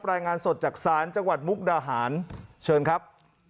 รายงานสดจากศาลจังหวัดมุกดาหารเชิญครับ